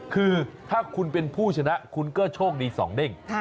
คือถ้าคุณเป็นผู้ชนะคุณก็โชคดีสองเด้ง